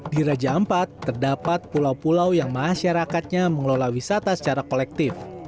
di raja ampat terdapat pulau pulau yang masyarakatnya mengelola wisata secara kolektif